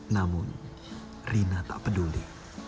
namun rina tak peduli